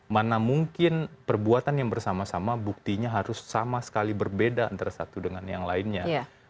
mana mungkin perbuatan yang bersama sama buktinya harus sama sekali berbeda antara satu dengan yang lainnya